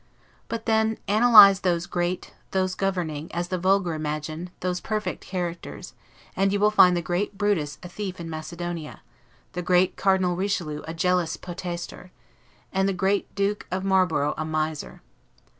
But then analyze those great, those governing, and, as the vulgar imagine, those perfect characters, and you will find the great Brutus a thief in Macedonia, the great Cardinal Richelieu a jealous poetaster, and the great Duke of Marlborough a miser.